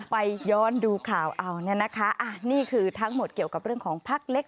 ไปย้อนดูข่าวนี่คือทั้งหมดเกี่ยวกับเรื่องของพักเล็ก